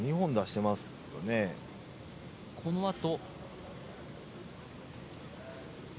このあと。